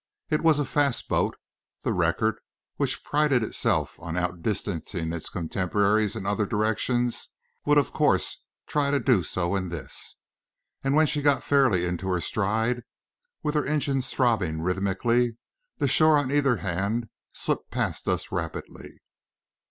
It was a fast boat the Record, which prided itself on outdistancing its contemporaries in other directions, would of course try to do so in this and when she got fairly into her stride, with her engines throbbing rhythmically, the shore on either hand slipped past us rapidly.